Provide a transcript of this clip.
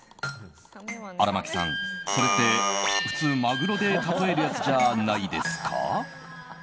荒牧さん、それって普通マグロでたとえるやつじゃないですか。